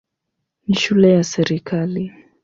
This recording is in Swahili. Ni shule ya serikali.